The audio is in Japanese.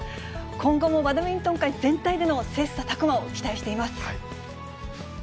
今後もバドミントン界全体での切さたく磨を期待しています。